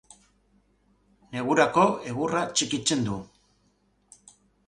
Negurako egurra txikitzen du.